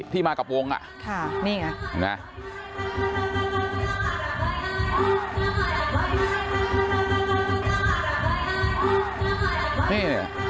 ที่มากับวงอะค่ะนี่ไงนี่ไง